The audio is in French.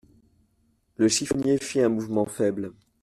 Le chiffonnier fit un mouvement faible.